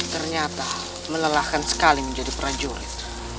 ternyata melelahkan sekali menjadi prajurit